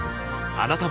あなたも